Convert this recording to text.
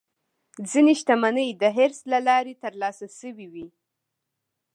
ځینې شتمنۍ د ارث له لارې ترلاسه شوې وي.